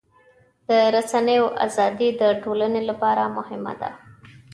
د رسنیو ازادي د ټولنې لپاره مهمه ده.